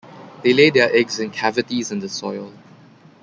They lay their eggs in cavities in the soil.